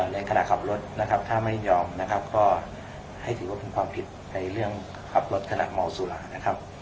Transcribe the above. ในขณะขับรถนะครับถ้าไม่ยอมนะครับก็ให้ถือว่าเป็นความผิดในเรื่องขับรถขณะเมาสุรานะครับ